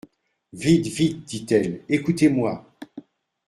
Vite ! Vite ! dit-elle, écoutez-moi.